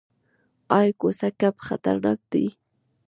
ایا کوسه کب خطرناک دی؟